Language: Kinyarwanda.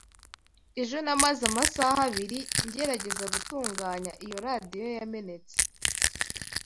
Ejo namaze amasaha abiri ngerageza gutunganya iyo radio yamenetse.